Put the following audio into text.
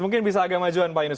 mungkin bisa agak majuan pak yunus